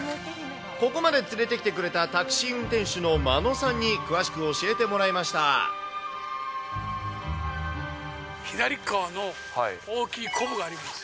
ここまで連れて来てくれたタクシー運転手の真野さんに詳しく左側の大きいこぶがあります